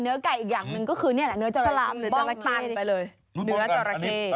เนื้อจรักเทศ